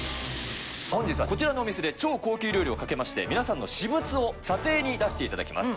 本日はこちらのお店で超高級料理をかけまして、皆さんの私物を査定に出していただきます。